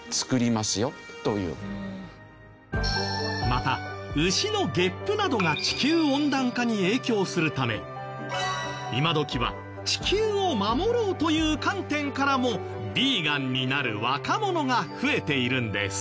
また牛のゲップなどが地球温暖化に影響するため今どきは地球を守ろうという観点からもヴィーガンになる若者が増えているんです。